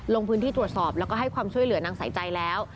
ลงพื้นที่ตรวจสอบแล้วก็ให้ความช่วยเหลือนางสายใจแล้ว